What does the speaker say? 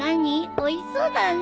おいしそうだね。